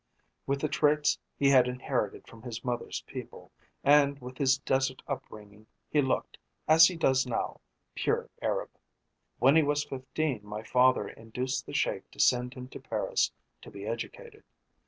With the traits he had inherited from his mother's people and with his desert upbringing he looked, as he does now, pure Arab. When he was fifteen my father induced the Sheik to send him to Paris to be educated.